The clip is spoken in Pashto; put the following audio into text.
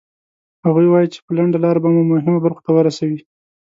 هغوی وایي چې په لنډه لاره به مو مهمو برخو ته ورسوي.